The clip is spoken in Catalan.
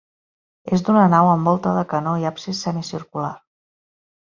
És d'una nau amb volta de canó i absis semicircular.